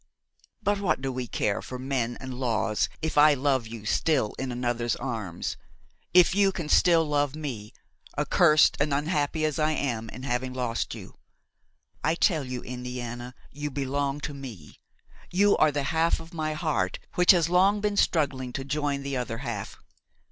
But what do we care for men and laws if I love you still in another's arms, if you can still love me, accursed and unhappy as I am in having lost you! I tell you, Indiana, you belong to me; you are the half of my heart, which has long been struggling to join the other half.